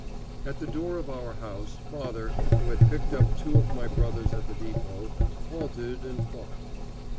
At the door of our house, father, who had picked up two of my brothers at the depot, halted and thought.